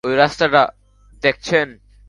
ওই রাস্তাটা দেখছেন?